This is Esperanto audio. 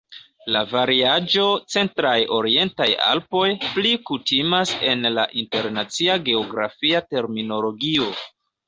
La variaĵo "Centraj Orientaj Alpoj" pli kutimas en la internacia geografia terminologio.